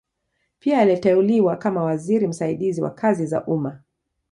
Pia aliteuliwa kama waziri msaidizi wa kazi za umma.